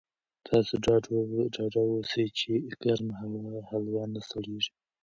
تاسو ډاډه اوسئ چې ګرمه هلوا نه سړېږي.